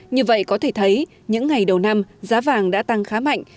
như vậy có thể thấy những ngày đầu năm giá vàng đã tăng khá mạnh